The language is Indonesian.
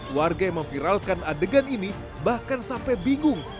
warga yang memviralkan adegan ini bahkan sampai bingung